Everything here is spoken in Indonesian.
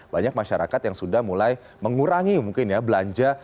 banyak masyarakat yang sudah mulai mengurangi mungkin ya belanja